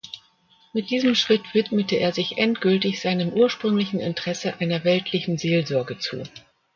Mit diesem Schritt widmete er sich endgültig seinem ursprünglichen Interesse einer „weltlichen Seelsorge“ zu.